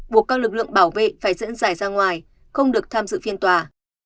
buộc các lực lượng bảo vệ phải dẫn dải ra ngoài không được tham dự phiên tòa